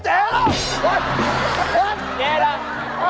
เจ๊ล่ะ